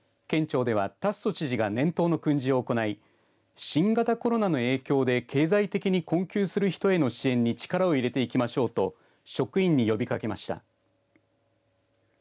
県庁では、達増知事が年頭の訓示を行い新型コロナの影響で経済的に困窮する人への支援に力を入れていきましょうと職員に呼びかけました。